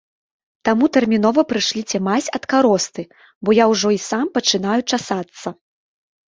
Таму тэрмінова прышліце мазь ад каросты, бо я ўжо і сам пачынаю часацца.